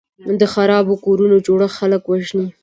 د خرابو کورو جوړښت خلک وژني.